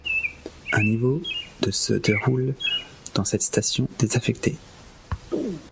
Un niveau de se déroule dans cette station désaffectée.